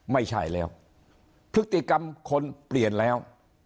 ไม่ใช่แล้วพฤติกรรมคนเปลี่ยนแล้ว